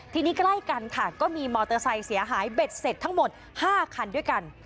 ทีนี้ใกล้กันค่ะก็มีมอเตอร์ไซค์เสียหายเบ็ดเสร็จทั้งหมด๕คันด้วยกัน